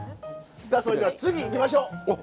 さあそれでは次いきましょう。